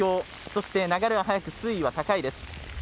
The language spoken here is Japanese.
そして流れは速く水位は高いです。